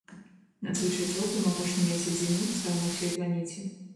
Надзвычай цёплым апошні месяц зімы стаў на ўсёй планеце.